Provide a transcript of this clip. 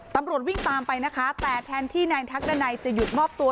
ตำรวจวิ่งตามไปนะคะแต่แทนที่นายทักดันัยจะหยุดมอบตัว